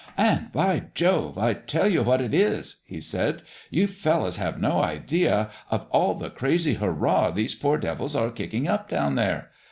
"... And, by Jove! I tell you what it is," he said, "you fellows have no idea of all the crazy hurrah those poor devils are kicking up down there.